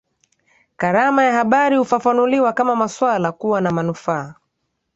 Karama ya habari hufafanuliwa kama maswala kuwa na manufaa